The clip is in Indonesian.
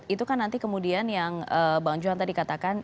itu kan nanti kemudian yang bang johan tadi katakan